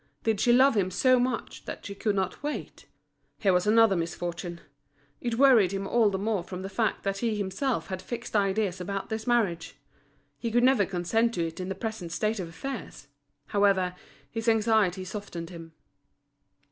Did she love him so much that she could not wait? Here was another misfortune! It worried him all the more from the fact that he himself had fixed ideas about this marriage. He could never consent to it in the present state of affairs. However, his anxiety softened him.